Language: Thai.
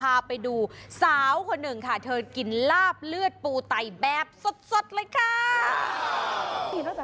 พาไปดูสาวคนหนึ่งค่ะเธอกินลาบเลือดปูไตแบบสดเลยค่ะ